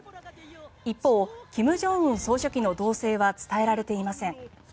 一方、金正恩総書記の動静は伝えられていません。